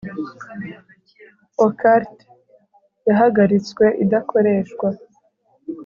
Occult yahagaritswe idakoreshwa